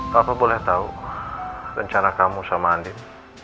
apa boleh tahu rencana kamu sama andin